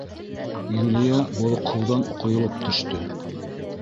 Юлия болоҡһоуҙан ҡойолоп төштө.